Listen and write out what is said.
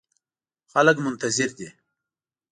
خلګ منتظر دي